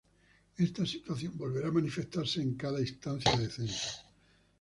Esta situación volverá a manifestarse en cada instancia de censo.